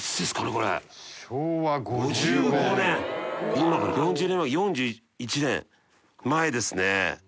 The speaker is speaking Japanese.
今から４０年前４１年前ですね。